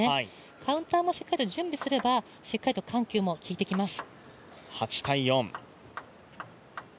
カウンターもしっかりと準備すれば、しっかりと緩急も効いてきます。